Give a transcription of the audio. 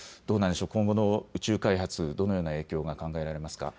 今後の宇宙開発、どのような影響が考えられますか。